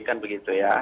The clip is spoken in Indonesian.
kan begitu ya